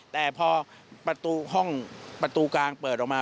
แต่พอประตูห้องประตูกลางเปิดออกมา